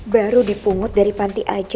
baru dipungut dari panti aja